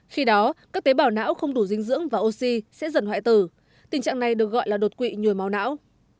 khi đó các tế bào não không đủ dinh dưỡng và oxy sẽ dần hoại tử tình trạng này được gọi là đột quỵ nhùi máu não